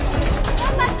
頑張って！